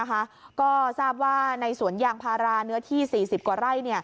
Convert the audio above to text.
ก็ทราบว่าในสวนยางพาราเนื้อที่๔๐กว่าไร่